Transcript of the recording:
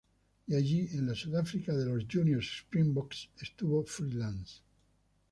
Y allí, en la Sudáfrica de los Juniors Springboks, estuvo Free Lance.